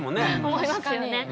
思いますよね。